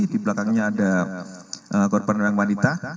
di belakangnya ada korban yang wanita